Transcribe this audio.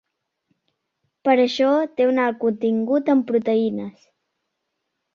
Per això té un alt contingut en proteïnes.